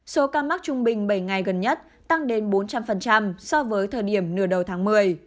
số ca mắc trung bình bảy ngày gần nhất tăng đến bốn trăm linh so với thời điểm nửa đầu tháng một mươi